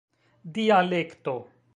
dialekto